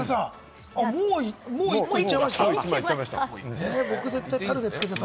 武田さん、もう１個行っちゃいました？